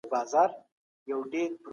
هغوی له پخوا اوري.